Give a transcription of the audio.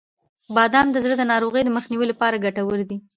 • بادام د زړه د ناروغیو د مخنیوي لپاره ګټور دي.